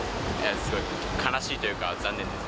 すごい悲しいというか、残念です。